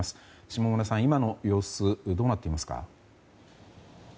下村さん、今の様子はどうなっていますか？